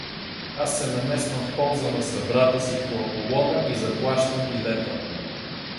Аз се намесвам в полза на събрата си по Аполона и заплащам билета му.